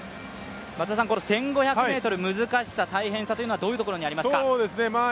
１５００ｍ、難しさ、大変さはどういうところにありますか？